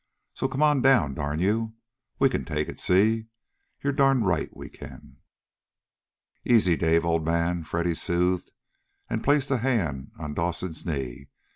So come on down, darn you! We can take it, see? You're darn right we can!" "Easy, Dave, old man!" Freddy soothed, and placed a hand on Dawson's knee.